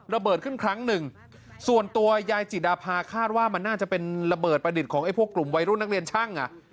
ระเบิดขึ้นครั้งหนึ่งส่วนตัวยายจิดาภาคาดว่ามันน่าจะเป็นระเบิดประดิษฐ์ของไอ้พวกกลุ่มวัยรุ่นนักเรียนช่างอ่ะ